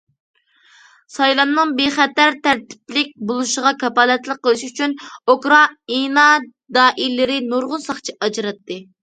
سايلامنىڭ بىخەتەر تەرتىپلىك بولۇشىغا كاپالەتلىك قىلىش ئۈچۈن، ئۇكرائىنا دائىرىلىرى نۇرغۇن ساقچى ئاجراتتى.